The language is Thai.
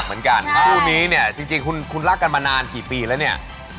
เมื่อแรกการที่แล้วนี่